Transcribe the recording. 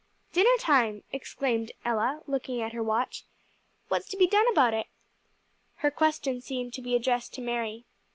"Dinner time!" exclaimed Ella, looking at her watch. "What's to be done about it?" Her question seemed to be addressed to Mary.